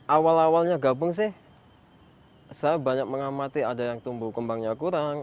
awal awalnya gabung sih saya banyak mengamati ada yang tumbuh kembangnya kurang